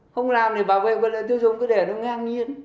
không làm thì bảo vệ quân lợi tiêu dùng cứ để nó ngang nhiên